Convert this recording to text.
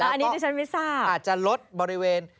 อันนี้ดิฉันไม่ทราบอาจจะลดบริเวณ